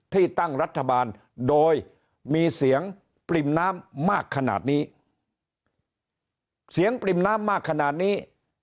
ที่ตั้งรัฐบาลโดยมีเสียงปริ่มน้ำมากขนาดนี้เสียงปริ่มน้ำมากขนาดนี้